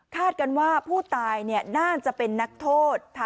กันว่าผู้ตายน่าจะเป็นนักโทษ